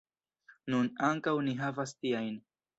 Nun ankaŭ ni havas tiajn.